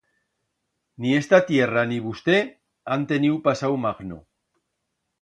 Ni esta tierra ni vusté han teniu pasau magno.